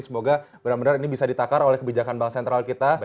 semoga benar benar ini bisa ditakar oleh kebijakan bank sentral kita